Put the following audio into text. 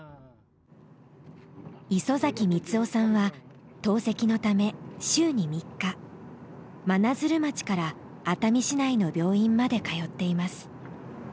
磯崎光男さんは透析のため週に３日真鶴町から熱海市内の病院まで通っています。